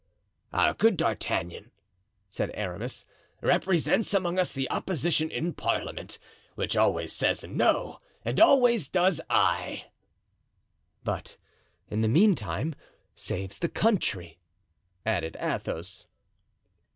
"Our good D'Artagnan," said Aramis, "represents among us the opposition in parliament, which always says no, and always does aye." "But in the meantime saves the country," added Athos.